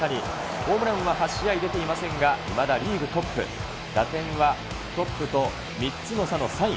ホームランは８試合出ていませんが、いまだリーグトップ、打点はトップと３つの差の３位。